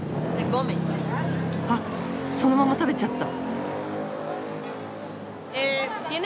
あっそのまま食べちゃった。